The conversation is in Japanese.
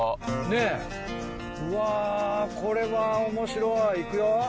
ねっうわこれは面白い行くよ。